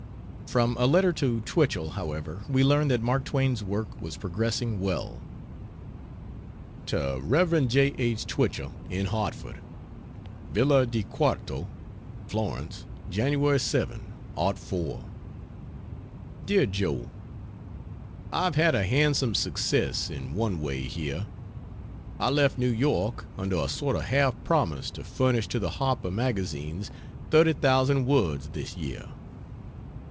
From a letter to Twichell, however, we learn that Mark Twain's work was progressing well. To Rev. J. H. Twichell, in Hartford: VILLA DI QUARTO, FLORENCE, Jan. 7, '04. DEAR JOE, ... I have had a handsome success, in one way, here. I left New York under a sort of half promise to furnish to the Harper magazines 30,000 words this year.